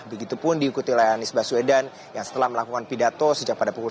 begitu pun diikuti oleh anies baswedan yang setelah melakukan pidato sejak pada pukul sebelas